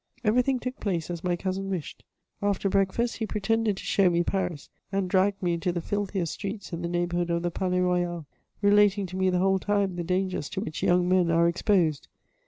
Everything took place as my cousin wished. After breakfast he pretended to show me Paris, and dragged me into the filthiest streets in the neighbourhood of the Palais Royal, relating to me the whole time the dangers to which young men are exposed.